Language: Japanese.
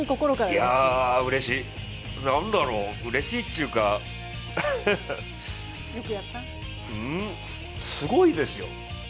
いや、うれしい、何だろう、うれしいっていうかすごいですよ。